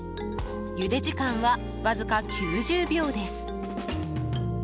ゆで時間は、わずか９０秒です。